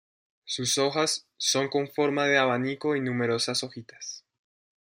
Sus hojas son con forma de abanico y numerosas hojitas.